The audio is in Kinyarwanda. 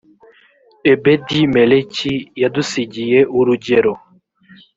ebedi meleki yadusigiye urugero